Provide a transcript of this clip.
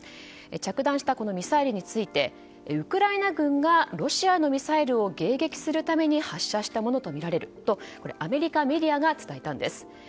着弾したミサイルについてウクライナ軍がロシアのミサイルを迎撃するために発射したものとみられるとアメリカメディアが伝えたんです。